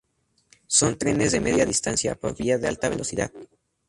son trenes de media distancia por vía de alta velocidad